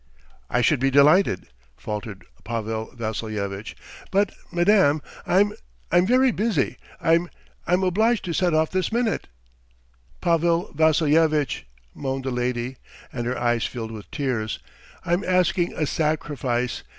"I should be delighted ..." faltered Pavel Vassilyevitch; "but, Madam, I'm ... I'm very busy .... I'm ... I'm obliged to set off this minute." "Pavel Vassilyevitch," moaned the lady and her eyes filled with tears, "I'm asking a sacrifice!